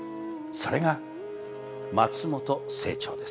それが松本清張です。